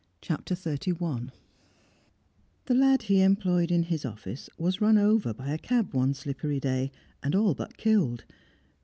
CHAPTER XXXI The lad he employed in his office was run over by a cab one slippery day, and all but killed.